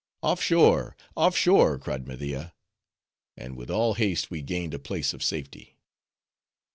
"Off shore! off shore!" cried Media; and with all haste we gained a place of safety.